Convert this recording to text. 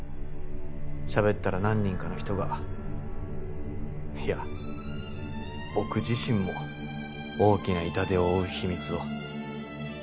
しゃべったら何人かの人がいや僕自身も大きな痛手を負う秘密を。